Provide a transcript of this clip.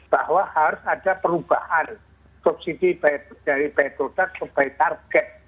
bahwa harus ada perubahan subsidi dari by product ke by target